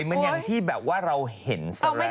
เหมือนอย่างที่แบบว่าเราเห็น